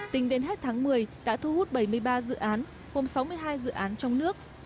tính đến hết tháng một mươi đã thu hút bảy mươi ba dự án gồm sáu mươi hai dự án trong nước